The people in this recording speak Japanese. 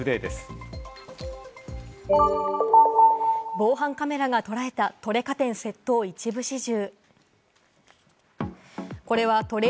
防犯カメラが捉えたトレカ店窃盗、一部始終。